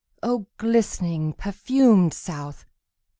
O glistening, perfumed South!